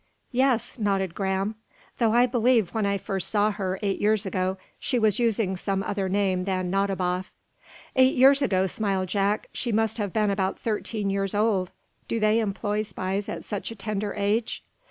"Yes," nodded Graham. "Though I believe, when I first saw her, eight years ago, she was using some other name than Nadiboff." "Eight years ago," smiled Jack, "she must have been about thirteen years old. Do they employ, spies at such a tender age?"